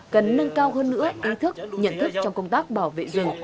cần nâng cao hơn nữa ý thức nhận thức trong công tác bảo vệ rừng